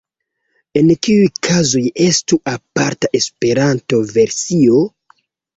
En kiuj kazoj estu aparta Esperanto-versio?